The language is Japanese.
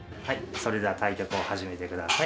それでは対局を始めてください。